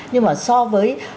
nhưng mà so với